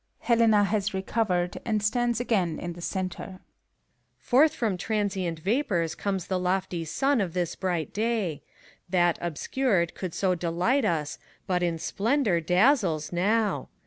(Helena has recovered, and stands again in the centre.) PH0RKTA8. Forth from transient vapors comes the lofty sun of this bright day. That, obscured, could so delight us, but in splendor dazzles now.